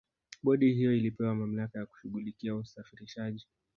bodi hiyo ilipewa mamlaka ya kushughulikia usafirishaji